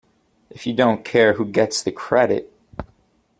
If you don't care who gets the credit.